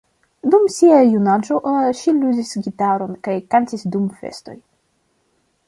Dum sia junaĝo ŝi ludis gitaron kaj kantis dum festoj.